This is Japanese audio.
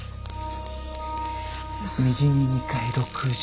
右に２回６０。